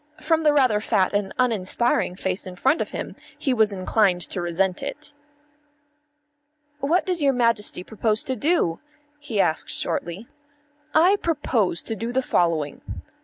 From the rather fat and uninspiring face in front of him he was inclined to resent it. "What does your Majesty propose to do?" he asked shortly. "I propose to do the following.